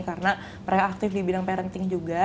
karena mereka aktif di bidang parenting juga